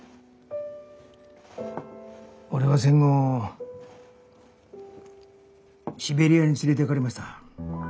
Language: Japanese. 俺は戦後シベリアに連れていかれました。